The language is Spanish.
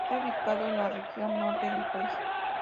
Está ubicado en la región Norte del país.